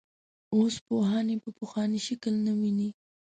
اوس پوهان یې په پخواني شکل نه ویني.